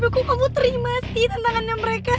beb kok kamu terima sih tantangannya mereka